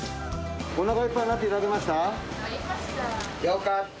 おなかいっぱいになっていたなりました。